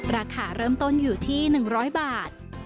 ราคาเริ่มต้นอยู่ที่๑๐๐บาท